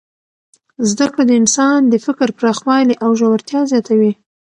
زده کړه د انسان د فکر پراخوالی او ژورتیا زیاتوي.